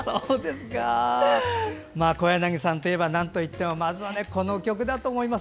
小柳さんといえばなんといってもまずはこの曲だと思います。